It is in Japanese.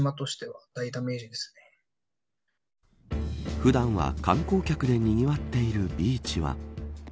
普段は観光客でにぎわっているビーチは。